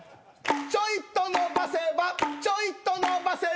「ちょいと伸ばせばちょいと伸ばせば」